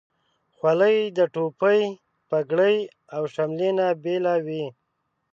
خولۍ د ټوپۍ، پګړۍ، او شملې نه بیله وي.